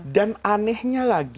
dan anehnya lah